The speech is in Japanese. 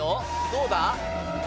どうだ？